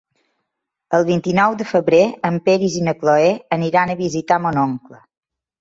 El vint-i-nou de febrer en Peris i na Cloè aniran a visitar mon oncle.